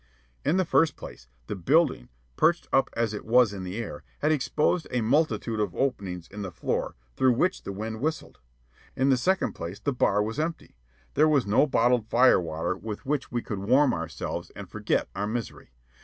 In the first place, the building, perched up as it was in the air, had exposed a multitude of openings in the floor through which the wind whistled. In the second place, the bar was empty; there was no bottled fire water with which we could warm ourselves and forget our misery.